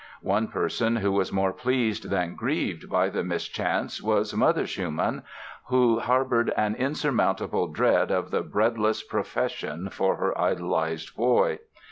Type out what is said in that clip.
One person who was more pleased than grieved by the mischance was Mother Schumann, who harbored an insurmountable dread of the "breadless profession" for her idolized boy.